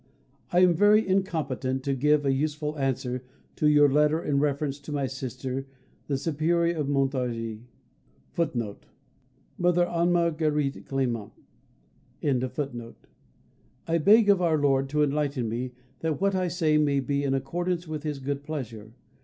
I am very incompetent to give a useful answer to your letter in reference to my Sister the Superior of Montargis:[A] I beg of Our Lord to enlighten me that what I say may be in accordance with His good pleasure.